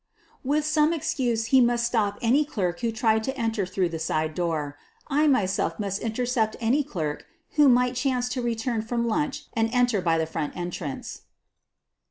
With some excuse he must stop any clerk who tried to enter through the side door — I myself must inter cept any clerk who might chance to return from lunch and enter by the front entrance.